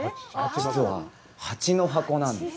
蜂の箱なんです。